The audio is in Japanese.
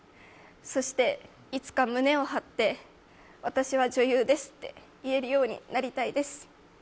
そして、いつか胸を張って、私は女優ですと言えるように、なりたいです。